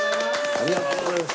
ありがとうございます。